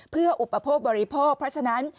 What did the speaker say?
เพื่ออุปโภคบริโภคเพราะฉะนั้น